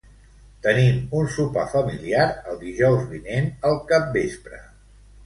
Tenim un sopar familiar el dijous vinent al capvespre.